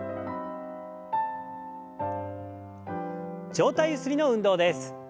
上体ゆすりの運動です。